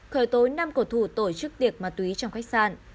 khởi tối năm cổ thủ tổ chức tiệc ma túy trong khách sạn